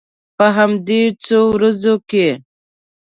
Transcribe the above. په همدې څو ورځو کې.